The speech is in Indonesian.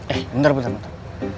eh bentar bentar bentar